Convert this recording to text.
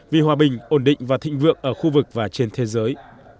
vì hòa bình ổn định và thịnh vượng ở khu vực và trên thế giới